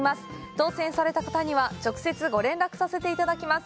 当せんされた方には、直接ご連絡させていただきます。